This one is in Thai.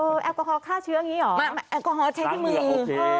เออแอลกอฮอล์ฆ่าเชื้ออย่างงี้เหรอมาแอลกอฮอล์ฆ่าเชื้อที่มือเออ